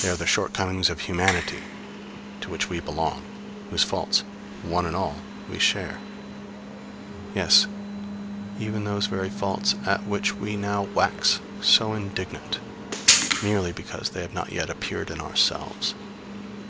They are the shortcomings of humanity, to which we belong; whose faults, one and all, we share; yes, even those very faults at which we now wax so indignant, merely because they have not yet appeared in ourselves.